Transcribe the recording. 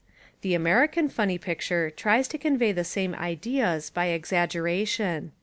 The American funny picture tries to convey the same ideas by exaggeration.